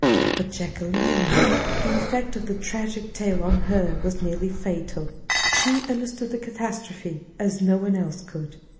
But Jacquelina! the effect of the tragic tale on her was nearly fatal. She understood the catastrophe, as no one else could!